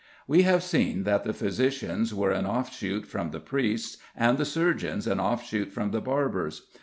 We have seen that the physicians were an offshoot from the priests and the surgeons an offshoot from the barbers.